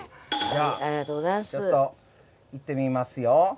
じゃあちょっと行ってみますよ。